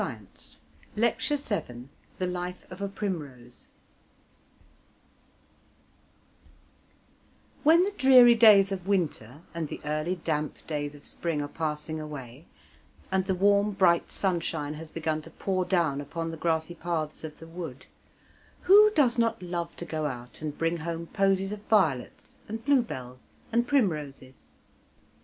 Week 19 LECTURE VII THE LIFE OF A PRIMROSE When the dreary days of winter and the early damp days of spring are passing away, and the warm bright sunshine has begun to pour down upon the grassy paths of the wood, who does not love to go out and bring home posies of violets, and bluebells, and primroses?